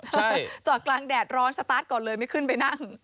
ใช่จอดกลางแดดร้อนสตาร์ทก่อนเลยไม่ขึ้นไปนั่ง